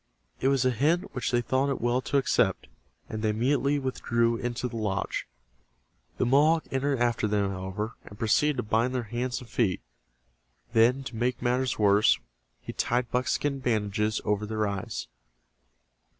It was a hint which they thought it well to accept, and they immediately withdrew into the lodge. The Mohawk entered after them, however, and proceeded to bind their hands and feet. Then, to make matters worse, he tied buckskin bandages over their eyes.